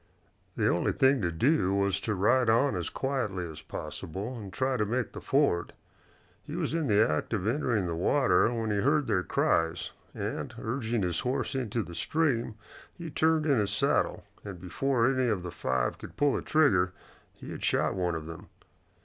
The only thing to do was to ride on as quietly as possible and try to make the ford. He was in the act of entering the water when he heard their cries, and, urging his horse into the stream, he turned in his saddle, and before any of the five could pull a trigger he had shot one of them.